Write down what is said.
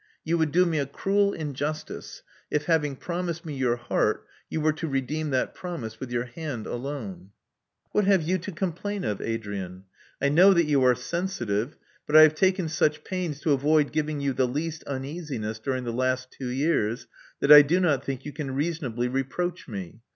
You would do me a cruel injustice if, having promised me your heart, you were to redeem that promise with your hand alone." Love Among the Artists 213 "What have you to complain of, Adrian? I know that you are sensitive; but I have taken such pains to avoid giving you the least uneasiness during the last two years that I do not think you can reasonably reproach me.